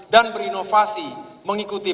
dan berinovasi mengikuti